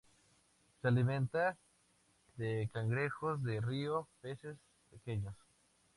Se alimenta de cangrejos de río y peces pequeños.